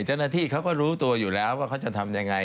เจ้าหน้าที่เขาก็รู้ตัวอยู่แล้วว่าเขาจะทำยังไง